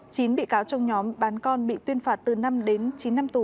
chín bị cáo trong nhóm bán con bị tuyên phạt từ năm đến chín năm tù